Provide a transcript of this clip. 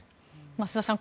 増田さん